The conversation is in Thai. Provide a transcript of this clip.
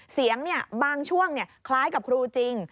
เสียงบางช่วงคล้ายกับครูจริง